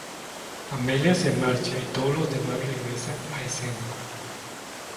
Amelia se marcha y todos los demás regresan a escena.